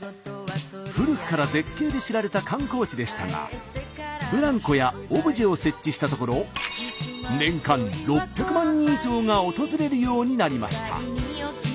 古くから絶景で知られた観光地でしたがブランコやオブジェを設置したところ年間６００万人以上が訪れるようになりました。